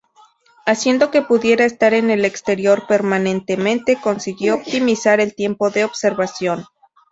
Haciendo que pudiera estar en el exterior permanentemente consiguió optimizar el tiempo de observación.